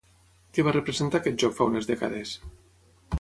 Què va representar aquest joc fa unes dècades?